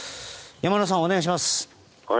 山村さん、お願いします。